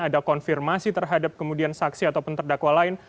ada konfirmasi terhadap kemudian saksi atau penterdakwa lain